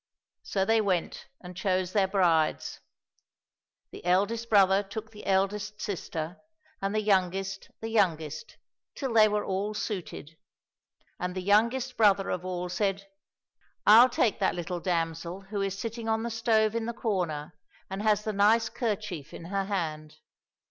So they went and chose their brides. The eldest brother took the eldest sister, and the youngest the youngest, till they were all suited. And the youngest brother of all said, " I'll take that little damsel who is sitting on the stove in the corner and has the nice kerchief in her hand."